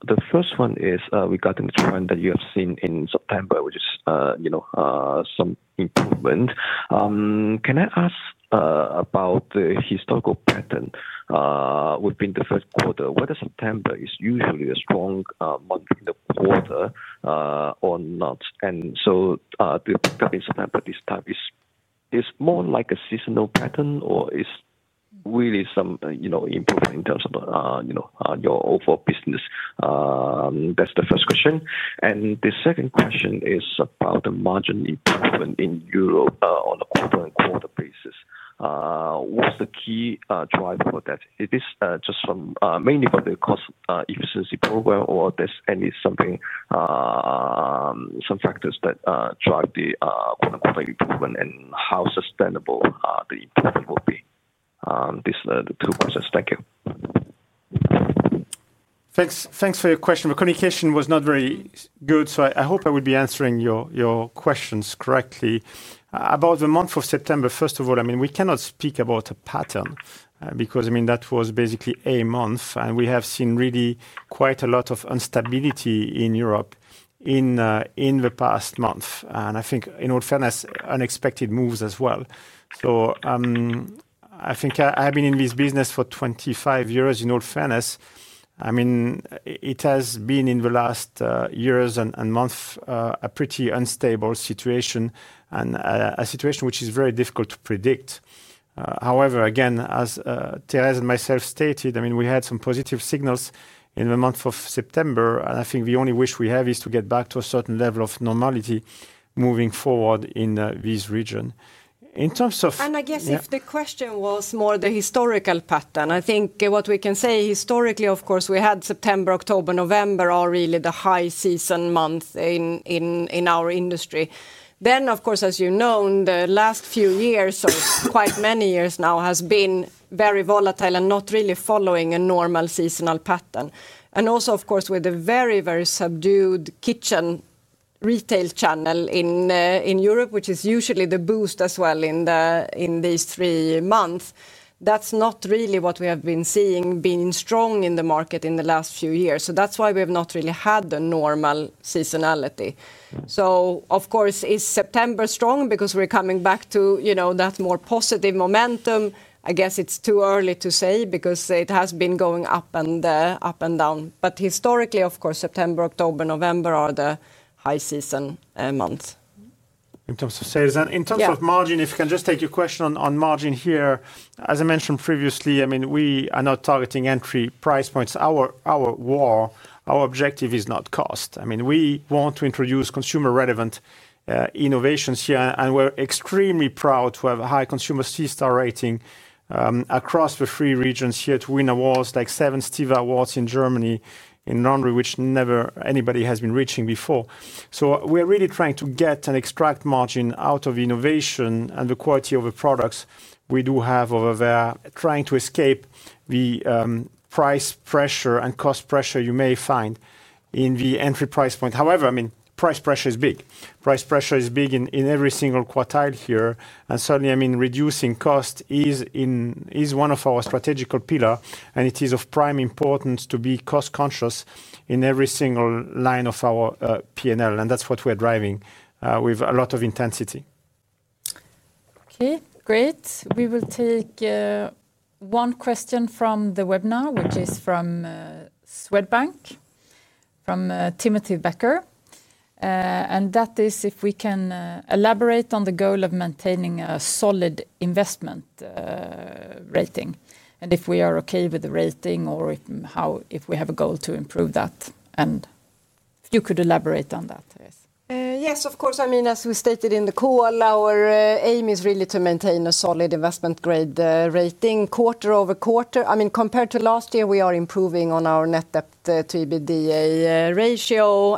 The first one is regarding the trend that you have seen in September, which is some improvement. Can I ask about the historical pattern within the first quarter? Whether September is usually a strong month in the quarter or not? Is the gap in September this time more like a seasonal pattern or is it really some improvement in terms of your overall business? That's the first question. The second question is about the margin improvement in Europe on a quarter-on-quarter basis. What's the key driver for that? Is this mainly from the cost efficiency program or are there some factors that drive the quarter-on-quarter improvement and how sustainable will the improvement be? These are the two questions. Thank you. Thanks for your question. The communication was not very good, so I hope I would be answering your questions correctly. About the month of September, first of all, we cannot speak about a pattern because that was basically a month. We have seen really quite a lot of instability in Europe in the past month. I think, in all fairness, unexpected moves as well. I have been in this business for 25 years, in all fairness. It has been in the last years and months a pretty unstable situation and a situation which is very difficult to predict. However, as Therese and myself stated, we had some positive signals in the month of September. I think the only wish we have is to get back to a certain level of normality moving forward in this region. In terms of. If the question was more the historical pattern, I think what we can say historically, of course, we had September, October, November are really the high season months in our industry. Of course, as you know, in the last few years, so quite many years now, has been very volatile and not really following a normal seasonal pattern. Also, with a very, very subdued kitchen retail channel in Europe, which is usually the boost as well in these three months, that's not really what we have been seeing being strong in the market in the last few years. That's why we have not really had the normal seasonality. Of course, is September strong because we're coming back to, you know, that more positive momentum? I guess it's too early to say because it has been going up and down. Historically, of course, September, October, November are the high season months. In terms of sales and in terms of margin, if I can just take your question on margin here, as I mentioned previously, I mean, we are not targeting entry price points. Our war, our objective is not cost. I mean, we want to introduce consumer-relevant innovations here. We're extremely proud to have a high consumer C-Star rating across the three regions here to win awards like seven Steve Awards in Germany, in London, which never anybody has been reaching before. We are really trying to get and extract margin out of innovation and the quality of the products we do have over there, trying to escape the price pressure and cost pressure you may find in the entry price point. However, I mean, price pressure is big. Price pressure is big in every single quartile here. Certainly, I mean, reducing cost is one of our strategical pillars. It is of prime importance to be cost-conscious in every single line of our P&L. That's what we're driving with a lot of intensity. Okay, great. We will take one question from the webinar, which is from Swedbank, from Timothy Becker. That is if we can elaborate on the goal of maintaining a solid investment-grade rating, if we are okay with the rating, or if we have a goal to improve that. If you could elaborate on that, yes. Yes, of course. I mean, as we stated in the call, our aim is really to maintain a solid investment-grade rating quarter-over-quarter. I mean, compared to last year, we are improving on our net debt to EBITDA ratio.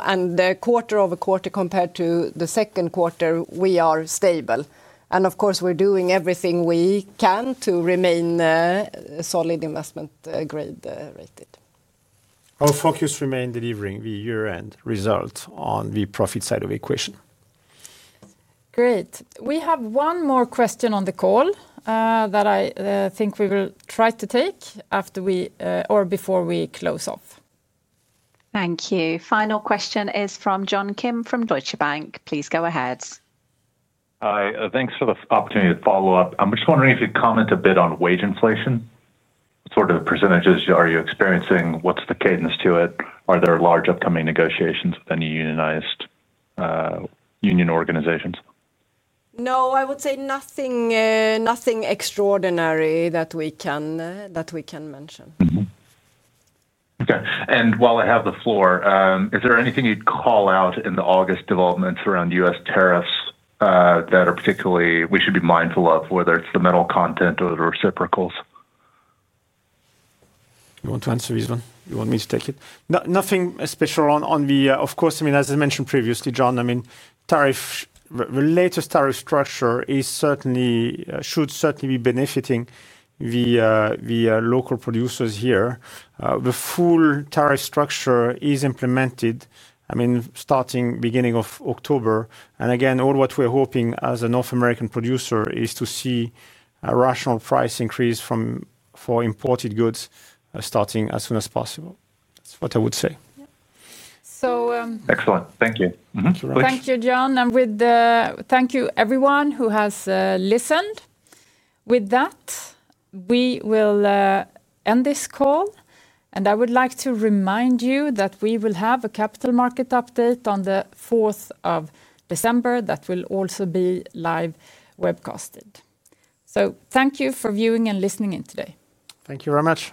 Quarter-over-quarter, compared to the second quarter, we are stable. Of course, we're doing everything we can to remain a solid investment-grade rating. Our focus remains delivering the year-end result on the profit side of the equation. Great. We have one more question on the call that I think we will try to take before we close off. Thank you. Final question is from John Kim from Deutsche Bank. Please go ahead. Hi. Thanks for the opportunity to follow-up. I'm just wondering if you'd comment a bit on wage inflation. What sort of percentages are you experiencing? What's the cadence to it? Are there large upcoming negotiations with any unionized organizations? No, I would say nothing extraordinary that we can mention. Okay. While I have the floor, is there anything you'd call out in the August developments around U.S. tariffs that we should be particularly mindful of, whether it's the metal content or the reciprocals? You want to answer this one? You want me to take it? Nothing special on the, of course, I mean, as I mentioned previously, John, the latest tariff structure should certainly be benefiting the local producers here. The full tariff structure is implemented starting the beginning of October. All what we're hoping as a North American producer is to see a rational price increase for imported goods starting as soon as possible. That's what I would say. Excellent. Thank you. Thank you, John. Thank you, everyone who has listened. With that, we will end this call. I would like to remind you that we will have a capital market update on the 4th of December that will also be live webcasted. Thank you for viewing and listening in today. Thank you very much.